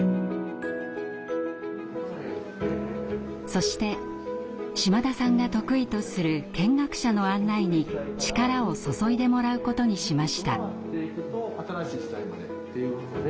そして島田さんが得意とする見学者の案内に力を注いでもらうことにしました。